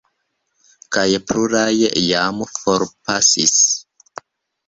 Kaj pluraj jam forpasis.